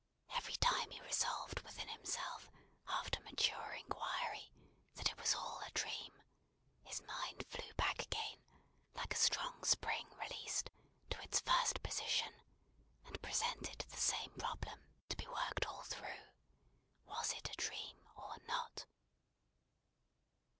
Every time he resolved within himself, after mature inquiry, that it was all a dream, his mind flew back again, like a strong spring released, to its first position, and presented the same problem to be worked all through, "Was it a dream or not?"